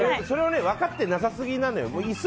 それは分かってなさすぎなの。